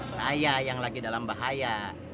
saya yang lagi dalam bahaya